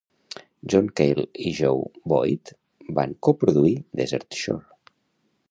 John Cale i Joe Boyd va coproduir "Desertshore".